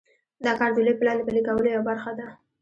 دا کار د لوی پلان د پلي کولو یوه برخه ده.